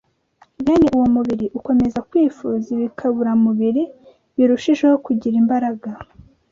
Bene uwo mubiri ukomeza kwifuza ibikaburamubiri birushijeho kugira imbaraga,